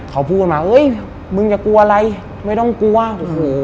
เขาพูดกันมาเอ้ยมึงจะกลัวอะไรไม่ต้องกลัวโอ้โห